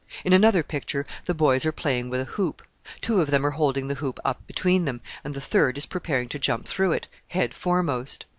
In another picture the boys are playing with a hoop. Two of them are holding the hoop up between them, and the third is preparing to jump through it, head foremost.